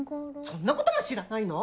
そんなことも知らないの！？